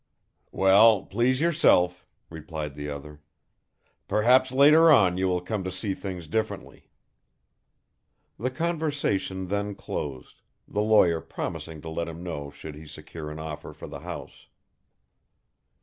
"Well, please yourself," replied the other. "Perhaps later on you will come to see things differently." The conversation then closed, the lawyer promising to let him know should he secure an offer for the house.